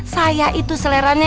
saya itu seleranya